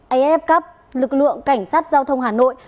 af cup lực lượng cảnh sát giao thông hà nội